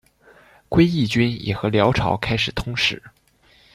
归义军也和辽朝开始通使。